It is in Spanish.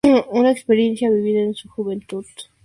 Una experiencia vivida en su juventud le marcó aún más.